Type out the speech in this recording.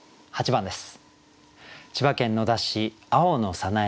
８番です。